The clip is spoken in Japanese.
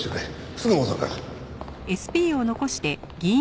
すぐ戻るから。